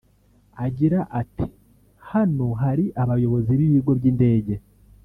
Agira ati “Hano hari abayobozi b’ibigo by’indege